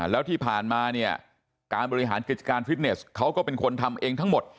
แล้วที่ผ่านมาเนี่ยการบริหารกิจการฟิตเนสเขาก็เป็นคนทำเองทั้งหมด